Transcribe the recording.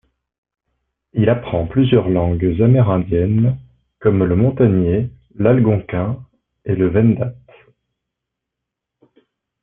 Il apprend plusieurs langues amérindiennes comme le montagnais, l'algonquin et le wendat.